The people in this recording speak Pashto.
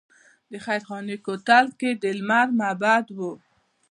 د خیرخانې کوتل کې د لمر معبد و